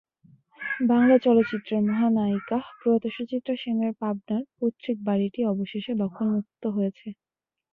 বাংলা চলচ্চিত্রের মহানায়িকা প্রয়াত সুচিত্রা সেনের পাবনার পৈতৃক বাড়িটি অবশেষে দখলমুক্ত হয়েছে।